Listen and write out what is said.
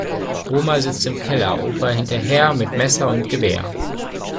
Oma sitzt im Keller, Opa hinterher, mit Messer und Gewehr.